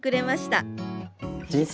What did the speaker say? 人生